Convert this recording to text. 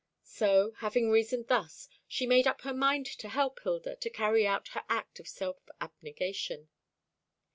So, having reasoned thus, she made up her mind to help Hilda to carry out her act of self abnegation.